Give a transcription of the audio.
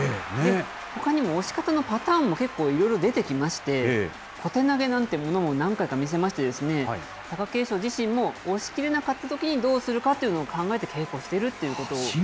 ほかにも押し方のパターンも結構いろいろ出てきまして、小手投げなんてものも何回か見せまして、貴景勝自身も、押しきれなかったときにどうするかというのを考えて稽古しているということを。